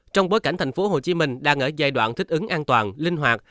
trong bối cảnh tp hcm đang ở giai đoạn thích ứng an toàn linh hoạt